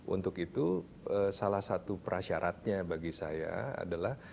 untuk itu salah satu prasyaratnya bagi saya adalah